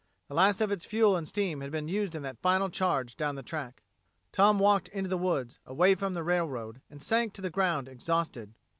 The last of its fuel and steam had been used in that final charge down the track. Tom walked into the woods, away from the railroad, and sank to the ground exhausted.